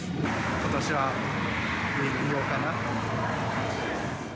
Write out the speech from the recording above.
ことしは家にいようかなって。